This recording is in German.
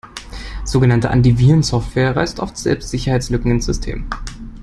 Sogenannte Antivirensoftware reißt oft selbst Sicherheitslücken ins System.